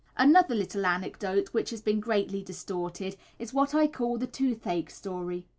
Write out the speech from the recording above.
Another little anecdote which has been greatly distorted is what I call the toothache story.